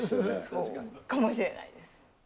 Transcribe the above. そうかもしれないです。